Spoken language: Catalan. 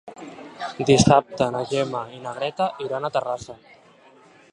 Dissabte na Gemma i na Greta iran a Terrassa.